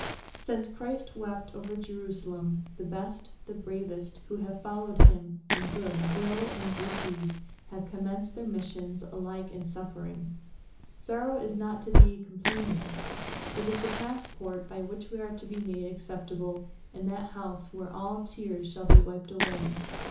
Since Christ wept over Jerusalem the best, the bravest, who have followed him in good will and good deeds have commenced their mission alike in suffering. Sorrow is not to be complained of; it is the passport by which we are to be made acceptable in that house where all tears shall be wiped away.